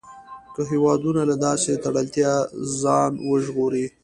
که هېوادونه له داسې تړلتیا ځان وژغوري.